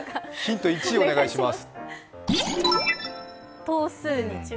ヒント２をお願いします。